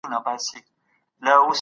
ستا قربان سمه زه